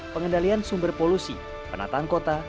pengendalian sumber polusi penataan kota